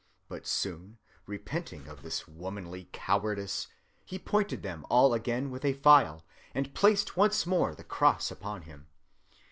But soon, repenting of this womanly cowardice, he pointed them all again with a file, and placed once more the cross upon him.